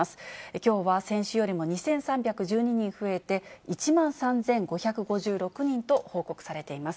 きょうは先週よりも２３１２人増えて、１万３５５６人と報告されています。